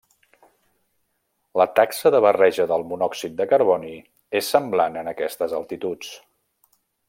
La taxa de barreja del monòxid de carboni és semblant en aquestes altituds.